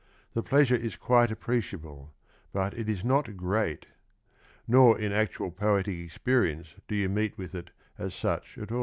The pleasure is quito appreciable, but it is not great ; nor in actual poetic experi ence do you meet with it, as such, at ah.